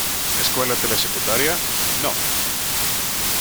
Escuela Telesecundaria No.